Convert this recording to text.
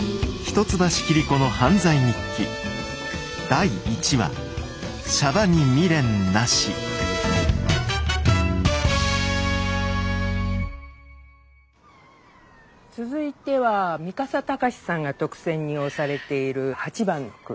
俳句は続けるって続いては三笠隆さんが特選に推されている８番の句。